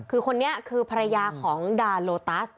คือคนนี้คือภรรยาของดาโลตัส